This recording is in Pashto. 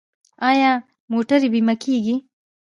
آیا موټرې بیمه کیږي؟